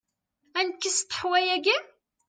Ad nekkes ṭeḥwa-agi?